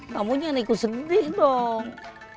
kamu jangan ikut sedih dong